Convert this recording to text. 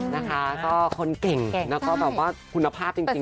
นะคะก็คนเก่งแล้วก็คุณภาพจริงด้วย